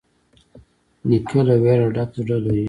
نیکه له ویاړه ډک زړه لري.